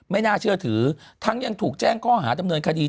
ไม่น่าเชื่อถือทั้งยังถูกแจ้งข้อหาดำเนินคดี